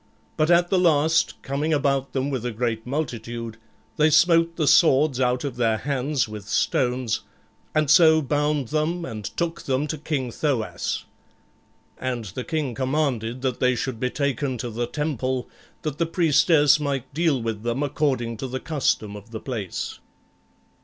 But at the last, coming about them with a great multitude, they smote the swords out of their hands with stones, and so bound them and took them to King Thoas. And the king commanded that they should be taken to the temple, that the priestess might deal with them according to the custom of the place.